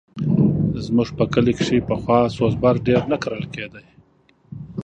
زموږ په کلي کښې پخوا سوز بر ډېر نه کرل کېدی.